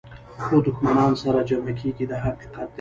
خو دښمنان سره جمع کېږي دا حقیقت دی.